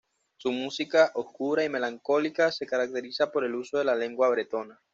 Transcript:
Su música, oscura y melancólica, se caracteriza por el uso de la lengua bretona.